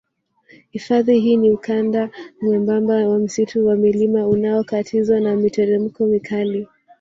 Hifadhi hii ni ukanda mwembamba wa msitu wa mlima unaokatizwa na miteremko mikali